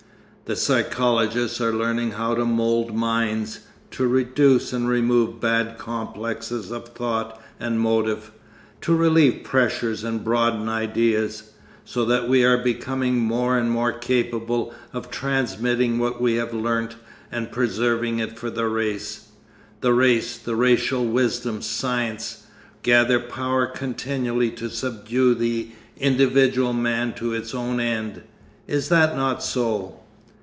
The psychologists are learning how to mould minds, to reduce and remove bad complexes of thought and motive, to relieve pressures and broaden ideas. So that we are becoming more and more capable of transmitting what we have learnt and preserving it for the race. The race, the racial wisdom, science, gather power continually to subdue the individual man to its own end. Is that not so?